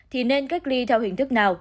thì nên cách ly theo hình thức nào